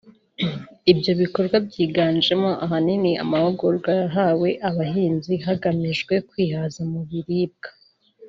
Ibyo bikorwa byiganjemo ahanini amahugurwa yahawe abahinzi hagamijwe kwihaza mu biribwa